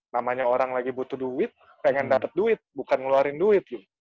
namanya orang lagi butuh duit pengen dapat duit bukan ngeluarin duit